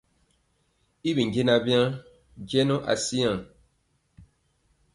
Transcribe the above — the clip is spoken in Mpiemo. Y bi jɛɛnaŋ waŋ jɛŋɔ asiaŋ.